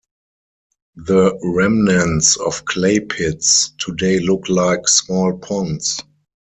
The remnants of clay pits today look like small ponds.